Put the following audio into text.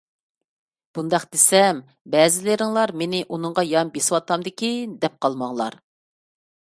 بۇنداق دېسەم بەزىلىرىڭلار مېنى ئۇنىڭغا يان بېسىۋاتامدىكىن دەپ قالماڭلار.